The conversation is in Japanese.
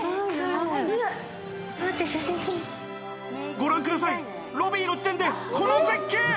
ご覧ください、ロビーの時点でこの絶景！